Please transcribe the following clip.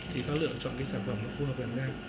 thì ta lựa chọn cái sản phẩm nó phù hợp với làn da